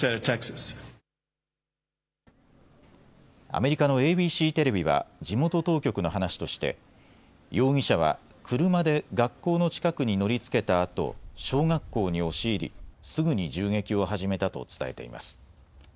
アメリカのＡＢＣテレビは地元当局の話として容疑者は車で学校の近くに乗りつけたあと小学校に押し入り、すぐに銃撃を始めたと伝えています。